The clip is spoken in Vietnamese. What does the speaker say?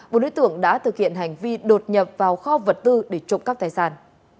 bộ đối tượng đã thực hiện hành vi đột nhập vào kho vật tư để trộm cắp tài sản